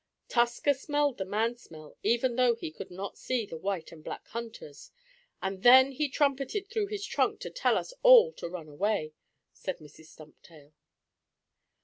"Tusker smelled the man smell, even though he could not see the white and black hunters, and then he trumpeted through his trunk to tell us all to run away," said Mrs. Stumptail.